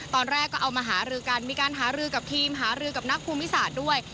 ตอนแรกก็เอามาหารือกันมีการหารือกับทีมหารือกับนักภูมิศาสตร์ด้วย